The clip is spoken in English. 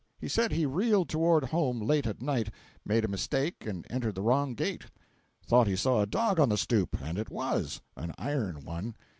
He said he reeled toward home late at night; made a mistake and entered the wrong gate; thought he saw a dog on the stoop; and it was—an iron one.